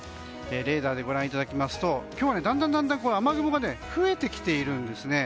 レーダーでご覧いただきますと今日は、だんだん雨雲が増えてきているんです。